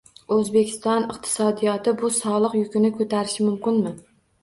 O'zbekiston iqtisodiyoti bu soliq yukini ko'tarishi mumkinmi?